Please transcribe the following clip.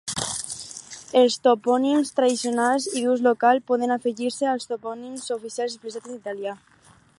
Els topònims tradicionals i d'ús local poden afegir-se als topònims oficials expressats en italià.